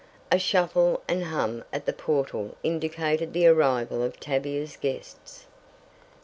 A shuffle and hum at the portal indicated the arrival of Tavia's guests.